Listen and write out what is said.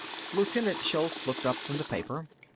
Lieutenant Shultz looked up from the paper.